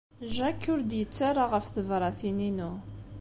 Jack ur d-yettarra ɣef tebṛatin-inu.